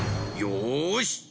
よし！